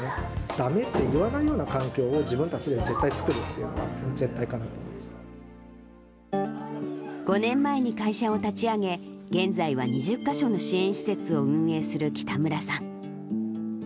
だめって言わないような環境を自分たちで絶対作るというのは、５年前に会社を立ち上げ、現在は２０か所の支援施設を運営する北村さん。